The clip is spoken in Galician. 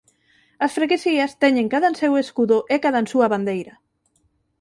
As freguesías teñen cadanseu escudo e cadansúa bandeira.